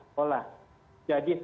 dan pake pola saya bisa ngaruhanku